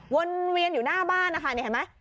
วนเวียนอยู่หน้าบ้านนะคะนี่เห็นไหม